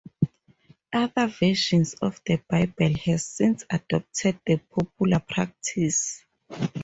Other versions of the Bible have since adopted the popular practice.